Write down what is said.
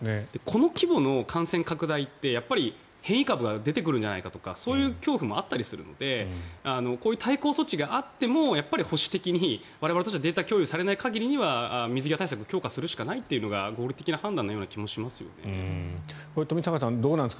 この規模の感染拡大ってやっぱり変異株が出てくるのではとかそういう恐怖もあったりするのでこういう対抗措置があっても保守的に我々としてはデータが共有されない限りは強化するしかないというのが冨坂さんどうなんですか？